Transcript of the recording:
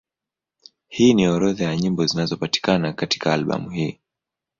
Hii ni orodha ya nyimbo zinazopatikana katika albamu hii.